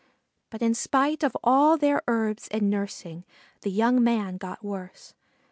But in spite of all their herbs and nursing the young man got worse.